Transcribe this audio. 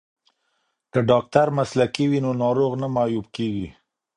که ډاکټر مسلکی وي نو ناروغ نه معیوب کیږي.